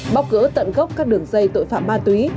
bóc gỡ tận gốc các đường dây tội phạm ma túy